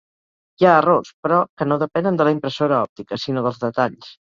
Hi ha errors, però, que no depenen de la impressora òptica, sinó dels detalls.